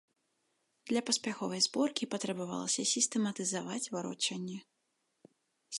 Для паспяховай зборкі патрабавалася сістэматызаваць варочанне.